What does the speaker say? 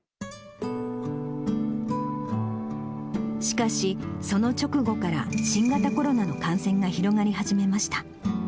しかし、その直後から新型コロナの感染が広がり始めました。